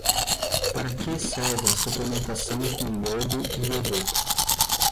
Para que serve a suplementação com iodo e iodeto?